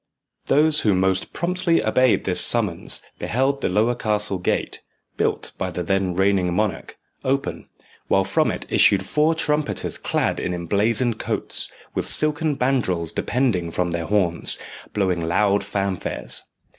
Those who most promptly obeyed this summons beheld the lower castle gate, built by the then reigning monarch, open, while from it issued four trumpeters clad in emblazoned coats, with silken bandrols depending from their horns, blowing loud fanfares.